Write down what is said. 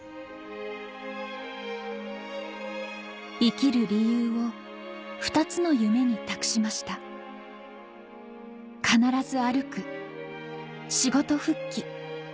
生きる理由を２つの夢に託しました「必ず歩く‼」「仕事復帰」